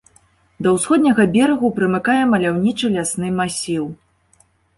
Да ўсходняга берагу прымыкае маляўнічы лясны масіў.